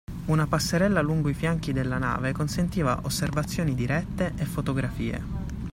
Una passerella lungo i fianchi della nave consentiva osservazioni dirette e fotografie.